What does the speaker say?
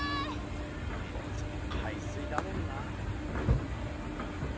いっつも海水だもんな。